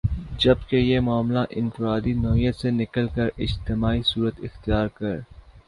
جبکہ یہ معاملہ انفرادی نوعیت سے نکل کر اجتماعی صورت اختیار کر